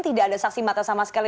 tidak ada saksi mata sama sekali